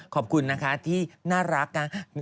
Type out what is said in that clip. ขอบคุณนะคะที่น่ารักนะ